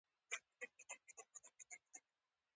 په داسي حال كي چي د آسمانونو او زمكي